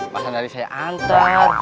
makanan dari saya antar